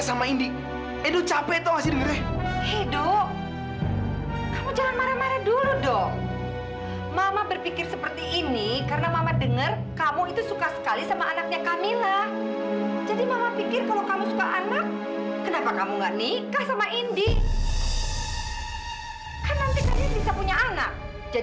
sampai jumpa di video selanjutnya